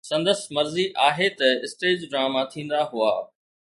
سندس مرضي تي اسٽيج ڊراما ٿيندا هئا.